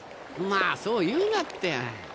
まぁそう言うなって。